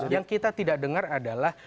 yang kita tidak dengar adalah